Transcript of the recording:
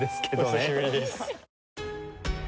お久しぶりです。